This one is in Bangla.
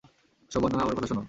শোবানা, আমার কথা শোনো।